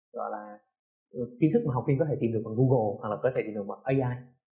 gọi là kiến thức mà học viên có thể tìm được bằng google hoặc là có thể tìm được bằng ai